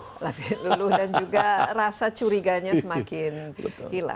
hati luluh dan juga rasa curiganya semakin hilang